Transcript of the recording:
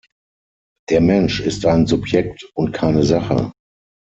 Der Mensch ist ein Subjekt und keine Sache.